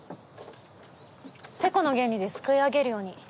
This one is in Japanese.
テコの原理ですくい上げるように。